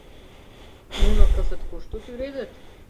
Нуно кызыт кушто тӱредыт?